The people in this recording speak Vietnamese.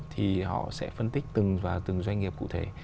thì họ sẽ phân tích từng doanh nghiệp cụ thể